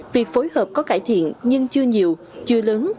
việc phối hợp có cải thiện nhưng chưa nhiều chưa lớn